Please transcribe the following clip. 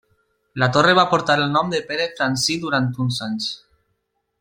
La torre va portar el nom de Pere Francí durant uns anys.